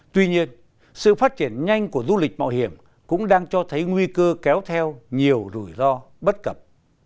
tuy nhiên sự phát triển nhanh của du lịch mạo hiểm cũng đang cho thấy nguy cơ kéo theo nhiều rủi ro bất cập